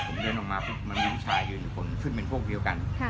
ผมเดินออกมากดมามีหนูชายถึงขึ้นเป็นพวกเดียวกัน